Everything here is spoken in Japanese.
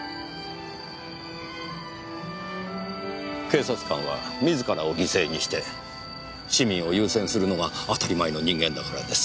警察官は自らを犠牲にして市民を優先するのが当たり前の人間だからです。